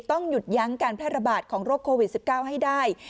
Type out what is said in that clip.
ต้องหยุดยั้งการแพร่ระบาดของโรคโควิด๑๙ให้ได้